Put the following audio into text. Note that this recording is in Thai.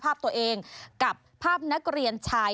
ภาพตัวเองกับภาพนักเรียนชาย